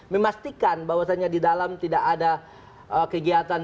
memastikan bahwasannya di dalam tidak ada kegiatan